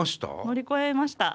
乗り越えました！